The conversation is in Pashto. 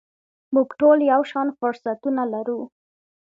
موږ ټول یو شان فرصتونه لرو .